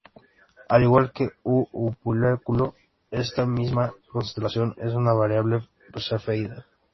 Al igual que U Vulpeculae, en esta misma constelación, es una variable cefeida.